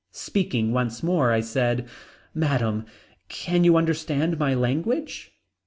Speaking once more I said, "Madame, can you understand my language?"